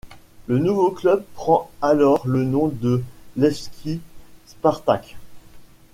Le nouveau club prend alors le nom de Levski-Spartak.